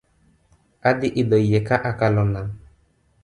Adhi idho yie ka akalo nam